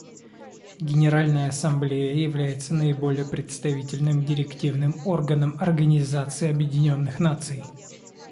Генеральная Ассамблея является наиболее представительным директивным органом Организации Объединенных Наций.